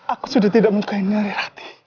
aku sudah tidak menyukai nyari rati